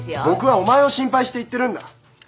僕はお前を心配して言ってるんだ。